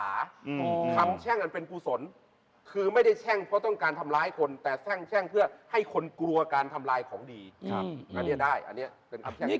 อันนี้ได้อันนี้เป็นคำแช่งที่เจ็ด